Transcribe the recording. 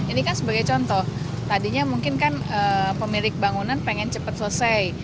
ini kan sebagai contoh tadinya mungkin kan pemilik bangunan pengen cepat selesai